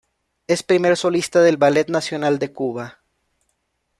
Es primer solista del Ballet Nacional de Cuba.